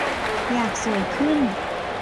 อยากสวยขึ้น